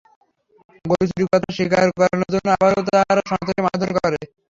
গরু চুরি কথা স্বীকার করানোর জন্য আবারও তারা সনাতনকে মারধর করে।